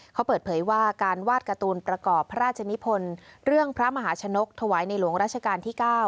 เขาเปิดเผยว่าการวาดการ์ตูนประกอบพระราชนิพลเรื่องพระมหาชนกถวายในหลวงราชการที่๙